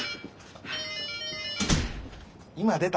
今出た。